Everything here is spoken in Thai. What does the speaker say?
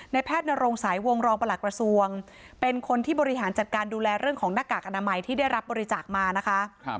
แพทย์นรงสายวงรองประหลักกระทรวงเป็นคนที่บริหารจัดการดูแลเรื่องของหน้ากากอนามัยที่ได้รับบริจาคมานะคะ